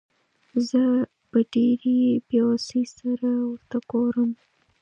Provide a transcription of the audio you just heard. زه په ډېرې بېوسۍ سره ورته ګورم.